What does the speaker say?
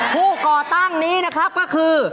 ก่อตั้งนี้นะครับก็คือ